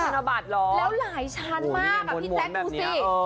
แล้วหลายชั้นมากอะพี่แจ๊คดูสิ